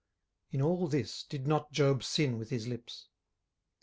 In all this did not Job sin with his lips.